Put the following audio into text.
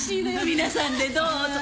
皆さんでどうぞ。